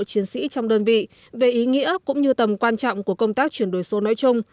chiến sĩ trong đơn vị về ý nghĩa cũng như tầm quan trọng của công tác chuyển đổi số nói chung